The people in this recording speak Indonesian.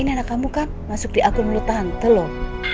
ini anak kamu kan masuk di akun mulut tante loh